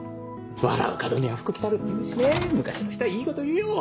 「笑う門には福来る」っていうしね昔の人はいいこというよ。